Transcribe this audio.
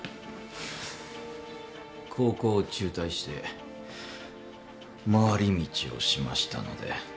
高校を中退して回り道をしましたので。